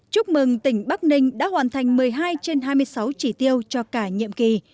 chúc mừng tỉnh bắc ninh đã hoàn thành một mươi hai trên hai mươi sáu chỉ tiêu cho cả nhiệm kỳ